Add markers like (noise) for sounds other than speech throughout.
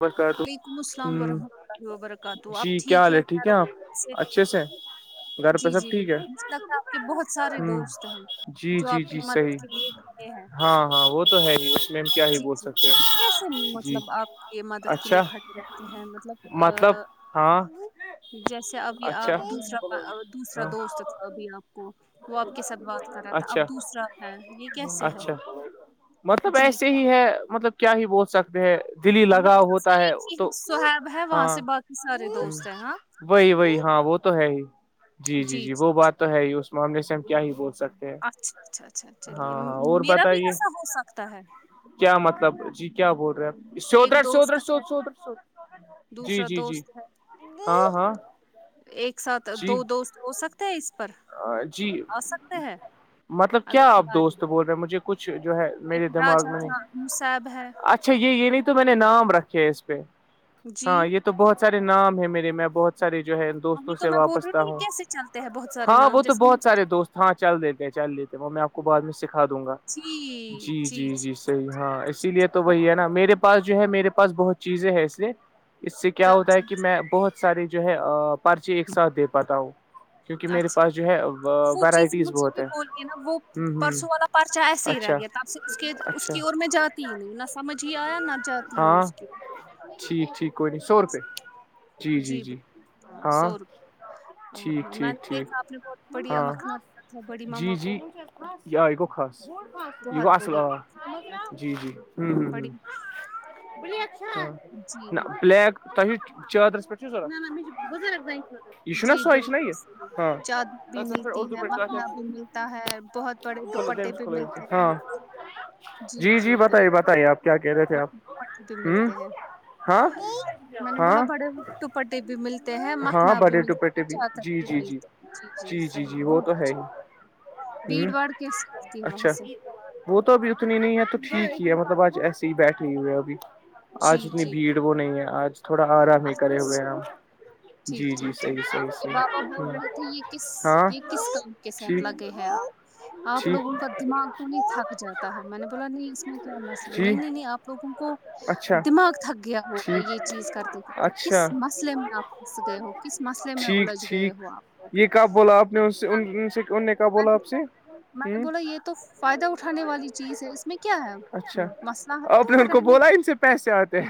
وبرکاتہ وعلیکم السلام ورحمۃ اللہ وبرکاتہ جی آپ کیا حال ہے ٹھیک خیر و ہے آپ عافیت سے اچھے سے گھر پہ جی سب جی ٹھیک ہے بالکل مجھے لگتا ہے آپ کے بہت سارے ہ دوست ہیں جی جو جی آپ کی جی مدد کے صحیح لیے کھڑے ہیں ہاں ہاں وہ تو ہے ہی اس میں ہم کیا ہی جی بول جی سکتے یہ ہیں کیسے جی مطلب آپ یہ مدد کے لیے اچھا کھٹے رہتے ہیں مطلب ا جیسے ابھی آپ اچھا دوسرا دوسرا ہاں دوست تھا ابھی آپ کو وہ آپ کے ساتھ بات کر رہا تھا اب اچھا دوسرا ہے یہ کیسے ہے اچھا مطلب جی ایسے ہی ہے مطلب کیا ہی بول سکتے دلی مطلب لگاؤ یہاں سے ہوتا ہے ایک ہی تو صہیب ہے وہاں ہاں سے باقی سارے ہ دوست ہیں ہاں وہی وہی جی ہاں وہ تو ہے ہی جی جی جی وہ بات تو ہے ہی اس معاملے سے ہم کیا ہی بول سکتے ہیں اچھا اچھا اچھا ہاں چلیے ہاں اور میرا بھی بتائیے ایسا ہو سکتا ہے کیا مطلب جی کیا بول رہے ایک چوودرٹ دوست چوودرہ چی ہے چی چودر جی دوسرا جی جی دوست ہے ہاں ہاں ایک ساتھ دو جی دوست ہو سکتے ہیں اس پر جی آ سکتے ہیں مطلب اگر کیا آپ بلائیں گے دوست بول رہے مجھے کچھ جو ہے میرے ایک دماغ راجا میں تھا مصعب ہے اچھا اچھا یہ یہ نہیں تو میں نے نام رکھے ہے اس پہ جی ہاں یہ تو بہت سارے نام ہے میرے میں بہت سارے جو ہے دوستوں وہی تو سے میں بول رہی واپستا کہ یہ ہوں کیسے چلتے ہیں بہت سارے ہاں نام وہ تو جیسے بہت مجھے سارے دوست ہاں چل دیتے ہیں چل لیتے وہ میں آپ کو بعد میں سکھا دوں گا جی جی جی صحیح ہاں اسی لیے تو وہی ہے نا میرے پاس جو ہے میرے پاس بہت چیزیں ہے اسے اس سے کیا تھا، ہوتا ہے جی کہ جی، میں بہت سارے جو ہے پرارچے ایک ساتھ دے پاتا ہوں کیونکہ میرے اچھا پاس جو ہے وہ چیزیں ورائٹیز مجھ سے بہت پہ بوللی گ ہے نا وہ ہ پرسوں ہ والا پرچہ ایسے ہی رہ اچھا گیا تب سے اس کے اس اچھا کی اور میں جاتی ہی نہیں نہ سمجھ ہی آیا نہ جاتی ہوں ہاں اس کی ٹھیک ٹھیک کوئی نہیں سو روپے جی جی جی ہاں ہاں، ٹھیک ہاں میں ٹھیک نے ٹھیک دیکھا آپ نے بہت بڑھیا ہاں مکھنا دیا تھا بڑی مما جی کو جی یہ آ یہ گوو خص یہ بہت گوو اصل بڑھیا آ مکھنا دیا تھا جی جی بڑی جی، بلیک تو چادرس پچ ضورت یہ چ نہ جی سوائے چنہ بالکل یہ صحیح ہاں چادر بھی ملتی اردو ہے پ مکھنا بھی ملتا ہے بہت بڑے کو دوپٹے دمس بھی کل ملتے ہیں ہاں جی جی بتائیے بتائیے آپ کیا کہہ رہے تھے آپ پ بھی ہوں ملتے ہیں ہاں میں نے بولا ہاں بڑے دٹپٹیے بھی ملتے ہیں م ہاں ب بڑے ملتا ٹوپیٹے چ بھی تر جی جی جی ملتے جی جی صحیح وہ بہت تو ہے اچھا ہی ہ بھیڑ باڑ کیسی ہوتی ہے وہاں اچھا سے وہ تو ابھی اتنی نہیں ہے تو ٹھیک ہی ہے مطلب آج ایسے ہی بیٹھے ہوئے ابھی آج جی اتنی جی بھیڑ وہ نہیں ہے آج تھوڑا آرام ہی کرے اچھا ہوئے ہیں ہم ٹھیک جی جی ٹھیک صحیح ٹھیک آپ صحیح کے بابا صحیح بول رہے تھے یہ کس ہاں یہ کس کام کے ساتھ ٹھیک لگے ہیں آپ آپ ٹھیک لوگوں کا دماغ تو نہیں تھک جاتا ہے میں نے بولا نہیں اس میں کیا مسئلہ نہیں ٹھیک نہیں آپ لوگوں کو اچھا دماغ تھک گیا ہوگا ٹھیک یہ چیز کرتے کرتے کس اچھا مسئلے میں آپ پھنس گئے ہو کس مسئلے میں ٹھیک الجھ گئے ٹھیک ہو آپ لوگ یہ ک بولا آپ نے میں ان سے بولا ان سے ان نے کیا بولا آپسی میں نے بولا یہ تو فائدہ اٹھانے والی چیز ہے اس میں کیا ہے مسئلہ ہے تو رہنے پیسےتے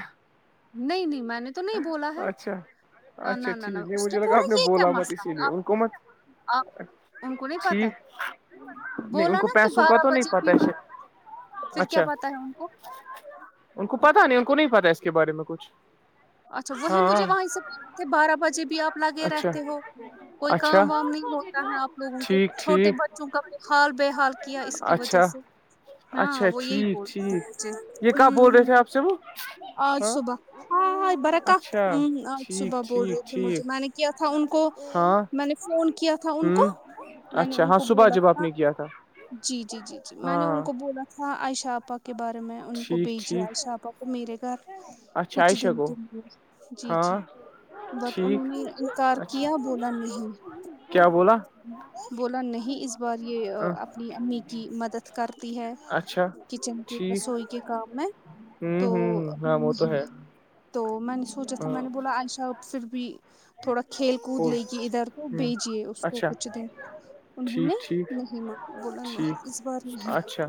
نہیں نہیں میں نے تو نہیں بولا ہے اچھا اچھا نہ نہ ٹھیک ن نہیں اس نے مجھے لگا بھول آپ یہ کیا بولا مت مسلہ اسی لیے ان کو مت آ ان کو نہیں پتا ٹھیک ہے نہیں ان بولا کو نا کہ پیسوں کا بارہ تو نہیں بجے پتا تھی ہے پھر کیا اچھا پتاہ ہے ان کو ان کو پتا نہیں ان کو نہیں پتا اس کے بارے میں کچھ اچھا وہیں مجھے ہاں وہیں سےچ بارہ بجے آپ لگے اچھا رہتے ہو کوئی اچھا کام وام نہیں ہوتا ہے آپ لوگوں کو ٹھیک چھوٹے ٹھیک بے چونکہ ب حال بے حال کیا اس کی وجہ اچھا سے ہاں اچھا وہ یہی ٹھیک بولتا ٹھیک تھا یہ کیا ہ بول رہے ہ تھے آپ سے وہ آج ہاں صبح برکا اچھا آج ٹھیک صبح بول ٹھیک رہے تھے مجھے ٹھیک میں نے کیا تھا ان کو ہاں میں نے فون کیا تھا ان کو ہوں میں نے اچھا ان ہاں کو صبح بولا جب آپ تھا نے کیا تھا جی جی جی جی میں نے ان ہاں کو بولا تھا عائشہ آپا کے بارے میں ان کو ٹھیک بھیجیا ٹھیک شاپا کو میرے گھر اچھا کچھ عائشہ دن کو کے لیے جی جی ہاں بٹ ٹھیک انہوں نے انکار اچھا کیا بولا نہیں کیا بولا بولا نہیں اس بار یہ اپنی امی کی مدد کر ہے اچھا کچن کی ٹھیک رسوئی کے کام میں ہوں تو ہوں ہاں وہ تو ہے تو میں نے سوچا تھا ہاں میں نے بولا آشا پھر بھی تھوڑا کھیل کود اور لےیے ادھر تو ہ بھیجیے اس کو اچھا کچھ دن انہوں نے ٹھیک ٹھیک نہیں مانا بولا نہیں اس بار ٹھیک نہیں اچھا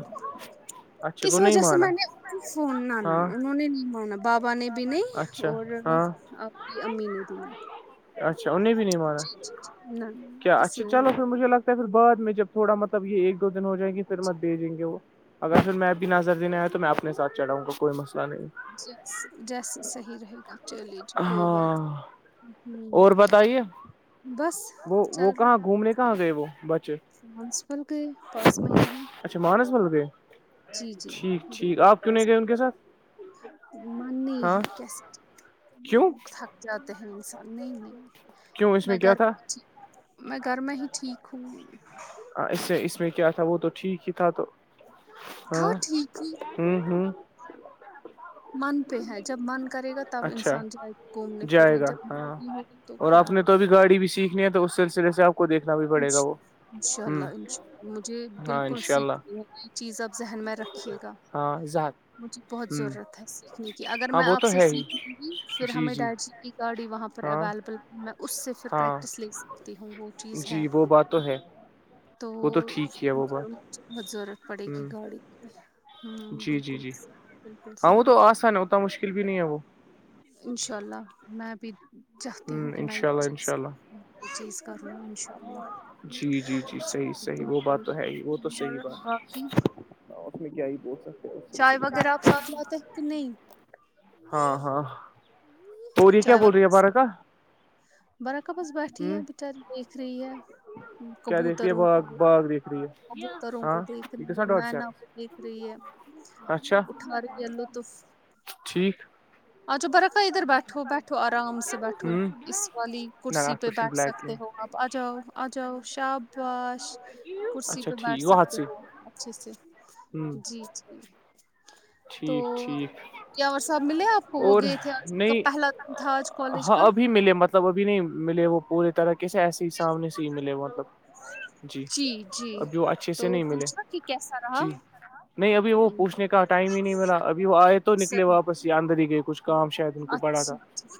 اچھا کو اس نہیں وجہ سے مانا میں نے فون نہ ل ہاں نا انہوں نے نہیں مانا بابا نے بھی نہیں اچھا اور ہاں آپ کی امی نے دی اچھا ان نہیں کیا کسی اچھا نے چلو پھر مجھے لگتا ہے پھر بعد میں جب تھوڑا مطلب یہ ایک دن ہو جائیں گی کی پھر م جی دج دیں گے وہ اگر پھر میں ا بھی نظر دینے آیا تو میں اپنے سھ چڑھاؤں گا کوئی مسئلہ نہیں جس جیس صحیح رہے چلیے جی کوئی بات ہاں نہیں اور ہ بتائیے وہ وہ کہاں گھومنے کہاں گئے وہ بچ مسپل کے پاس م ہی ہیں اچھا مانس مل گئے ٹھیک ٹھیک آپ کیوں نہیں گئے ان کے ساتھ ماننی ہے کی س کوں تھک جاتے ہیں انسان نہیں نہیں کیوں اس میں کیا گھر تھا میں گھر میں ہی ٹھیک ہوںی ہاں اس میں اس میں کیا تھا وہ تو ٹھیک ہی تھا تو تھا ٹھیک ہی ہوں ہوں من پہ ہے جب من کرے گا تب اچھا انسان جائےا گھومنے جائے پھرنے گا جب م ہاں نہیں ہوگا تو اور کیا آپ نے تو ابھی گاڑی بھی سیکھنی ہے تو اس سلسلے سے آ کو دھنا بھی پڑے گا وہ ان شاء ہ اللہ انشاء اللہ مجھے ہاں بالکل انشاء اللہ سیکھ یہ چیز آپ ذہن میں رکھیے گا زہک مجھے بہت ضرورت ہے سیکھنے کی اگر ہاں میں وہ آپ تو سے ہے ہی سیکھ پھر ہمیں ڈیڈ جی کی گاڑی وہاں پر ہاں اویلیبل تھی میں اس سے پھر ہاں پریکٹس لے سکتی تی ہوں وہ چیز جی ہے، وہ بات تو ہے تو وہ ٹھیک ہی ہے وہ بات بہت ضرورت پڑے ہ گی گاڑی کی ہ جی جی بالکل جی بالکل ہاں وہ صحیح، تو آسان ہے اتنا مشکل بھی نہیں ہے وہ انشاء اللہ میں بھی چاہتی ہ ہوں کہ میں انشاء ایک اللہ انشاء چیز اللہ چیز کر لو انشاء اللہ جی جی جی صحیح صحیح وہ بات تو ہے ہی وہ تو صحیح اور بات باقی ہے ہاں اس میں کیا ہے پہچ س چائے وغیرہ آپ ساتھ لاتے ہیں کہ نہیں ہاں ہاں توور یہ کیا بول رہی ہے بارہ کا برا کبس بیٹھی ہے ہ بیچاری دیکھ رہی ہے کیا دیکھ رہی ہے کبوتروں کو باغ باغ دیکھ رہی ہے کبوتروں کو ہاں دیکھ یہ رہی ہے گژھان ڈاٹ س مینا کو دیکھ رہی ہے اچھا اٹھا رہ ال لوطف ٹھیک آج برقا ادھر بیٹھو بیٹھو آرام سے ہ بیٹھو اس نہ والی کرسی اتھ پہ پٲٹھۍ چھُنہٕ بیٹھ بلیک سکتے ہو آپ آجاؤ آجاؤ شابش کینٛہہ کرسی اچھا پہ بیٹھ سکتے ہو اچھے سے ہوں ج تو ٹھیک کیا اورور صاحب ملے آپ (unintelligible) وہ اور گئے تھے آج کا نہیں پہلا تھا آج کالج ہاں کا ابھی ملے مطلب ابھی نہیں ملے وہ پورے طرح کیسے ایسے ہی سامنے سے ہی ملے مطلب جی ابھی وہ اچھے تو سے نہیں ملے پوچھنا کہ کیسا رہا جی نہیں ابھی وہ ہم، پوچھنے کا ٹائم ہی نہیں ملا ابھی وہ آئے تو نکلے سر واپس اندر ہی گئے کچھ کام شاید ج کو پڑا تھا اچھا ٹھیک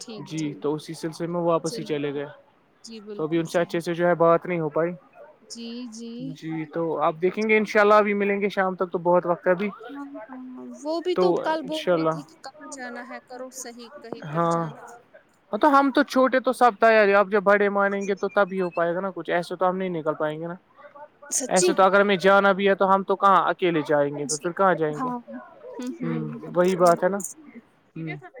ٹھیک جی ٹھیک تو اسی سلسلے میں وہ واپس ہی چلے چلیے گئے جی تو ابھی بالکل ان سے صحیح اچھے سے جو ہے بات نہیں ہو پائی جی تو آپ دیکھیں گے ان شاء اللہ ابھی ملیں گے شام تک تو بہت وقت ہے ابھی (unintelligible) ہاں ہاں وہ بھی تو ا کال بول انشاء رہی تھی کہ اللہ کہاں جانا ہے کرو صحیح کہیں پر ج (unintelligible) چار ہاں (unintelligible) تو ہم تو چھوٹے تو سب تیاری ہے اپ جب بڑے مانیں گے تو تب ہی ہو پائے گا نا کچھ ایسے تو ہم نہیں نکل پائیں گے نا سچی ایسے تو اگر ہمیں جانا بھی ہے تو ہم تو کہاں اچھا (unintelligible) اکے جائیں گے تو جی پھر کہاں جائیں گے (unintelligible) ہاں ہ ہ وہی بات ہے بالکل نا (unintelligible)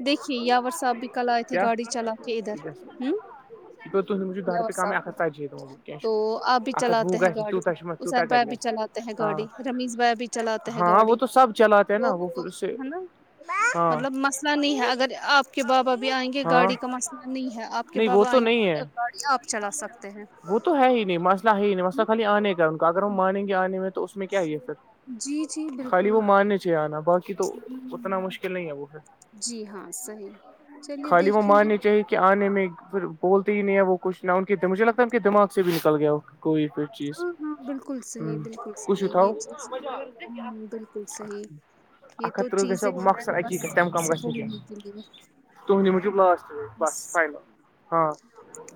دیکھیے یاور صاحب بھی کل آئے تھے کیا گاڑی چلا کے (unintelligible) ادھر ہوں یہ پ تہند مجب د یاور رپہ کم ہے صاحب ایک بھی ہے تتجی د تو آپ بھی آک ہ وہ چلاتے ہیں گی ن گاڑی تیت چ مت تیت اسین کتات بھائی بھی گسی (unintelligible) چلاتے ہیں گاڑی رمیش بھائی بھی چلاتے ہیں گاڑی (unintelligible) کیا نہ ہوو پر سے ہے نا (unintelligible) مطلب مسئلہ نہیں ہے اگر آپ کے بابا بھی آئیں گے ہاں گاڑی کا مسئلہ نہیں ہے آپ کے نہیں وہ بابا تو آئیں نہیں ہے گے گاڑی آپ چلا سکتے ہیں وہ تو ہے ہی نہیں مسئلہ ہے ہی نہیں مسئلہ خالی آنے کا ان کا اگر ہم مانیں گے آنے میں تو اس میں کیا ہی ہے جی جی پھر خالی بالکل وہ ماننے چاہے آنا باقی (unintelligible) تو اتنا مشکل نہیں ہے وہھر جی ہاں صحیح چلیے خالی وہ دیکھیں گے مارنی چاہی آنے میں پھر بول ہی نہیں ہے وہ کچھ نہ ان کے مجھے لگتا ہے ان کے دماغ سے بھی نکل گیا کوئی پھر ہاں ہاں بالکل ہ صحیح بالکل کھ ہو صحیح یہ تھاؤو چیز (unintelligible) ہ بالکل صحیح ا یہ ہت تو ترہ گسا چیزیں ہیں مخصر بس حقیقت تم کم ایسے گس ن ک کینہ بولنے کے لیے (unintelligible) تند مجوب لاسٹ ری بس فائنل ہاں (unintelligible)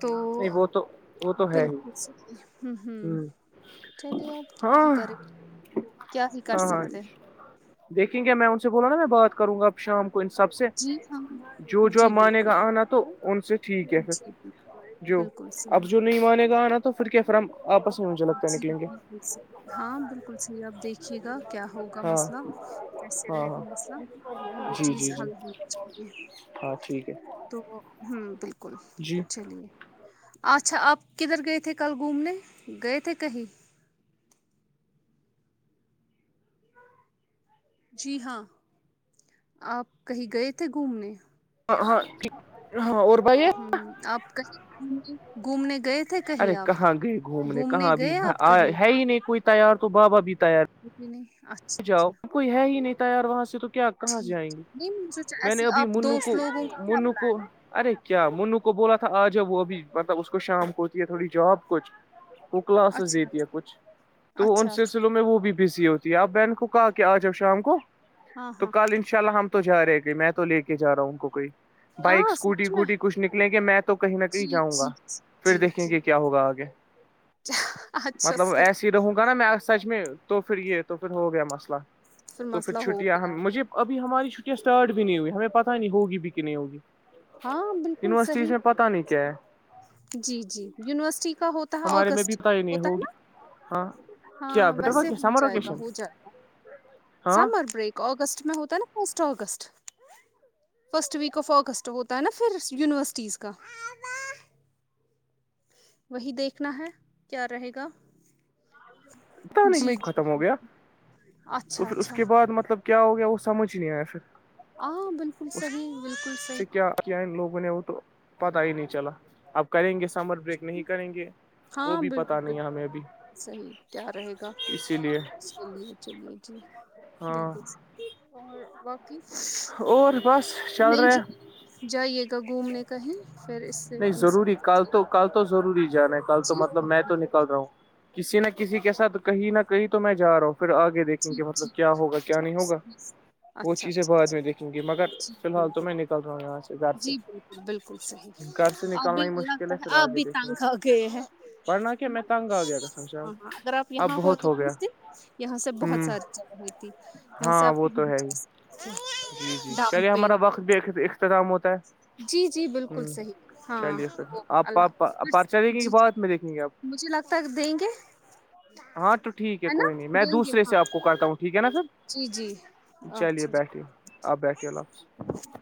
تو نہیں وہ تو وہ تو ہے ہی بالکل ہوں ہوں ہ چلیے آپ کیا ہی ہاں کریں کیا ہی کر سکتے دیکیںے کیا میں ان سے بولا نا میں بات کروں گا (unintelligible) شام کو ان سب سے جی ہاں جو جو جی مانے بالکل گا آنا تو ان سے ٹھیک ہے پھر جی، بالکل، جو بالکل اب صحیح۔ جو نہیں مانے گا آنا تو پھر کیا پھر ہم آپس میں مجھے لگتا نکلیں گے (unintelligible) جس (unintelligible) ہاں بالکل صحیح آپ دیکھیے گا (unintelligible) کیا ہوگا ہاں مسئلہ کیسے ہاں رہے گا ہاں مسئلہ تو وہ جی چیز جی جی حل ہونی چاہیے ہاں ٹھیک ہے (unintelligible) تو ہوں بالکل جی چلیے (unintelligible) اچھا آپ کدھر گئے تھے کل گھومنے گئے تھے کہیں (unintelligible) جی ہاں آپ کہیں گئے تھے گھومنے (unintelligible) ہاں ہاں ہاں اور (unintelligible) ہ آپ گھومنے (unintelligible) کہیں ارے آپ؟ کہاں گئے گھومنے کہاں بھی گئے آپ کہیں؟ ہے ہی نہیں کوئی تیار تو بابا بھی تیار (unintelligible) ک نہیں (unintelligible) جاؤ اچھا، کوئی ہے ہی نہیں تھا یار وہاں سے تو (unintelligible) کیاپ کہاں سے ٹھیک، آئیں گے نہیں میں نے سوچا میں نے ایسی ابھی آپ منو دوست کو لوگوں کا کیا منو پلان کو (unintelligible) ارے کیا منو کو بولا تھا آ جب وہ ابھی مطلب اس کو شام کوتی ہے تھوڑی جاب کچھ وہ کلاسز اچھا، دیتی ہے کچھ اچھا، تو ان اچھا، اچھا، سلسلوں میں وہ بھی بزی ہوتی ہے آپ بہن کو کہا کہ آ جاؤ شام کو ہاں، تو ہاں۔ کال ان (unintelligible) ان شاء ال ہم تو جا رہے گے م میں تو لے کے جا ہوں کوئی (unintelligible) بائک ہاں اسکوٹی سچ میں ووٹی کچھ نکلیں گے میں تو کہیں نہ کہیں جی جاؤں جی گا پھر جی دیکھیں جی گے کیا ہوگا آگے (unintelligible) اچھا مطلب سے (unintelligible) ایسے رہوں گا نا میں سچ میں تو پھر یہ تو پھر ہو گیا مسئلہ تو پھر مسئلہ ہو چھٹیاں گیا ہم مجھے ابھی ہماری چھٹیاں اسٹارٹ بھی نہیں ہوئییں ہمیں پتہ نہیں ہوگی بھی کہ نہیں ہوگی ہاں بالکل یونیورسٹیز صحی میں پتہ نہیں کیا ہے جی جی یونیورسٹی کا ہوتا ہے ہمارے میں بھی اگست پائی نہیں ہوتا ہے ہوگی نا ہاں ہاں کیا بیٹر ویسے ب ہو سمر جائے گا ویکیشن ہو جائے گا سب ہاں اور بریک اگستٹ م میں ہوتا ہے نا first August first week of August ہوتا ہے نا پھر یونیورسٹیز کا وہی دیکھنا ہے کیا رہے گا ات جی نہیں میں جی ختم ہو جی گیا تو اچھا پھر اس اچھا کے بعد مطلب کیا ہو گیا وہ سمجھ نہیں آیا پھر ہاں بالکل اس صحیح بالکل صحیح سے کیا کیا ان لوگوں نے وہ تو پتا ہی نہیں چلا اب کریں گے سمر بریک نہیں صحیح کریں گے وہ ہاں بھی بالکل پتا نہیں ہے بالکل ہمیں ابھی صحیح کیا رہے گا اسی لیے چلیے چلیے جی ہاں بالکل اور واقعی اور بس چل نہیں رہے جا جائیے گا گھومنے کا ہی پھر اس سے نہیں ان ضروری کل تو کل تو ضرور ہی جانا ہے کل تو جی مطلب ہاں میں تو نکل رہا ہوں کسی نہ کسی کے ساتھ کہیں نہ کہیں تو میں جا رہا ہوں پھر آگے دیکھیں گے ٹھیک مطلب ٹھیک کیا ہوگا کیا نہیں ٹھیک ہوگا صحیح صحیح۔ وہ اچھا چیزیں اچھا بعد اچھا میں دیکھیں گے مگر جی فی الال تو بالکل میں نکل رہا ہوں یہاں سے گھر سے جی بالکل بالکل صحیح گھر سے اب نکلنا بھی ہی مشکل لگتا ہے پھر آپ آگے بھی دیکھیں گے ٹانگ آ گئے ہیں ورنہ کہ ہاں میں تنگ آ گیا قسم سے ہاں اگر آپ اب یہاں ہو بہت تو گیا کس دن یہاں سے بہت بہت ہوں ساری چل رہی تھی یہاں سے ہاں آپ وہ تو ہے ہی کچک جی جی چلیے ہمارا وقت بھی اختتام ہوتا ہے جی جی بالکل ہ صحیح ہاں چلیے پھر اوے آپ اللہ حافظ پرچہ دیکھیں گے جی بعد میں دیکھیں گے آپ مجھے لگتا ہے دیں گے ہاں تو ٹھیک ہے نا کوئی نہیں میں دیں گے دوسرے سے ہاں آپ کو کرتا ہوں ٹھیک ہے نا جی جی سر چلیے اچھا بیٹھیے آپ بیٹھیے اللہ حافظ